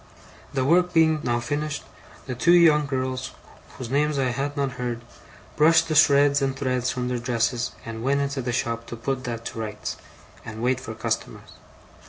The work being now finished, the two girls, whose names I had not heard, brushed the shreds and threads from their dresses, and went into the shop to put that to rights, and wait for customers.